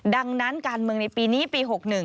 ดังนั้นการเมืองในปีนี้ปี๖๑